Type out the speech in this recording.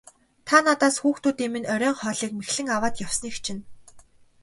Та надаас хүүхдүүдийн минь оройн хоолыг мэхлэн аваад явсныг чинь.